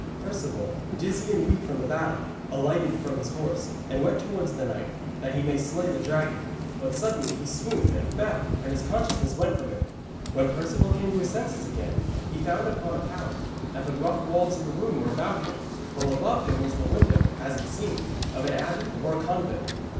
Perceval, dizzy and weak from the battle, alighted from his horse, and went towards the knight, that he might slay the dragon. But suddenly he swooned and fell and his consciousness went from him. When Perceval came to his senses again, he found himself upon a pallet, and the rough walls of a room were about him, while above him was the window, as it seemed, of an abbey or convent.